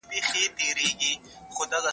تخنیکي پرمختګ باید د چاپېریال ساتونکی وي.